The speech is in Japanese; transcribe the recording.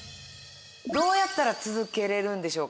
どうやったら続けられるんでしょうか？